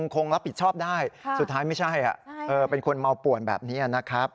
คงรับผิดชอบได้สุดท้ายไม่ใช่เป็นคนเมาป่วนแบบนี้นะครับ